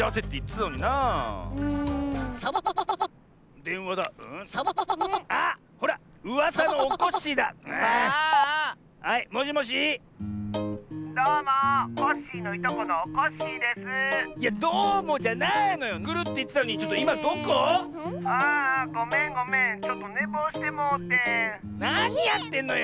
なにやってんのよ！